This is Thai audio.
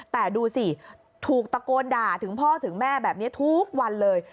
แต่ดูสิถูกตะโกนด่าถึงพ่อถึงแม่แบบนี้ทุกวันเลย